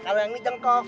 kalau yang ini jengkok